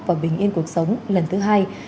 và bình yên cuộc sống lần thứ hai